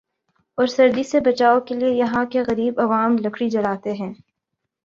اور سردی سے بچائو کے لئے یہاں کے غریب عوام لکڑی جلاتے ہیں ۔